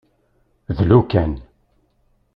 Dlu kan.